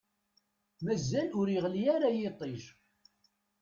Mazal ur yeɣli ara yiṭij.